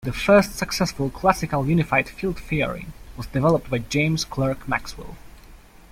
The first successful classical unified field theory was developed by James Clerk Maxwell.